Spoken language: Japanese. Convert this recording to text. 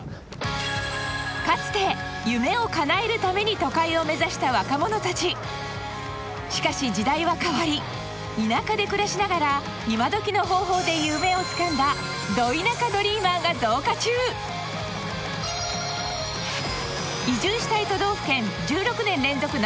かつて夢をかなえるために都会を目指した若者達しかし時代は変わり田舎で暮らしながら今どきの方法で夢をつかんだド田舎ドリーマーが増加中移住したい都道府県１６年連続